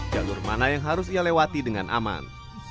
jalur mana yang harus ia lewati dengan aman